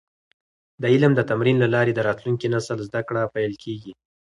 د علم د تمرین له لارې د راتلونکي نسل زده کړه پېل کیږي.